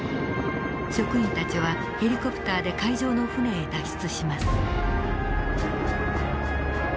職員たちはヘリコプターで海上の船へ脱出します。